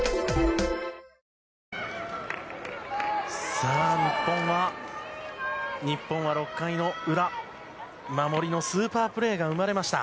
さあ、日本は６回の裏守りのスーパープレーが生まれました。